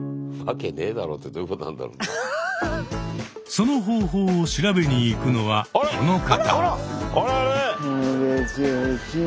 その方法を調べに行くのはこの方。